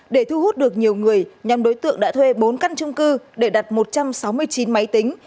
để thu hút được nhiều người nhóm đối tượng đã thuê bốn căn trung cư để đặt một trăm sáu mươi chín máy tính